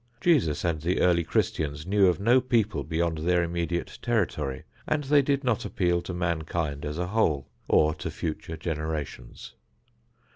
Jesus and the early Christians knew of no people beyond their immediate territory, and they did not appeal to mankind as a whole, or to future generations.